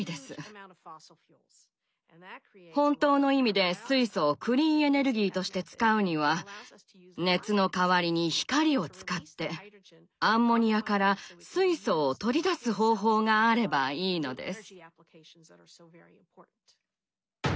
本当の意味で水素をクリーンエネルギーとして使うには熱の代わりに光を使ってアンモニアから水素を取り出す方法があればいいのです。